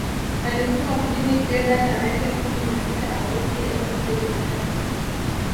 Alikufa mjini Jeddah tarehe kumi na sita Agosti elfu mbili na tatu